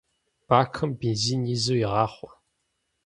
Бакым бензин изу игъахъуэ.